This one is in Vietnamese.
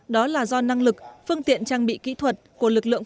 đó là do năng lực phương tiện trang bị kỹ thuật của lực lượng